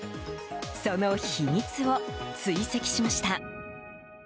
その秘密を追跡しました。